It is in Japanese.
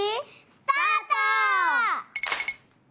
スタート！